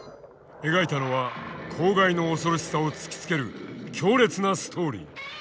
描いたのは公害の恐ろしさを突きつける強烈なストーリー。